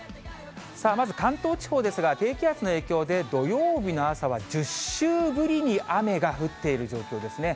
さあ、まず関東地方ですが、低気圧の影響で、土曜日の朝は１０週ぶりに雨が降っている状況ですね。